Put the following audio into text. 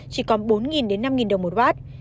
chỉ còn bốn đến năm đồng một watt